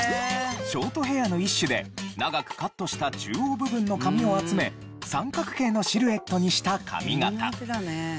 ショートヘアの一種で長くカットした中央部分の髪を集め三角形のシルエットにした髪形。